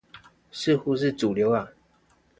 似乎是主流啊